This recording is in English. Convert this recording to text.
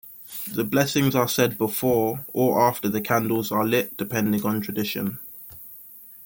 The blessings are said before or after the candles are lit depending on tradition.